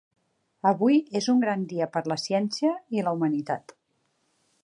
Avui és un gran dia per a la ciència i la humanitat.